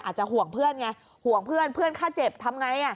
อาจจะห่วงเพื่อนไงห่วงเพื่อนเพื่อนค่าเจ็บทำไง